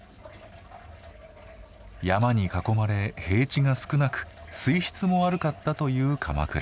山に囲まれ平地が少なく水質も悪かったという鎌倉。